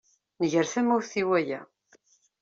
Nger tamawt i waya.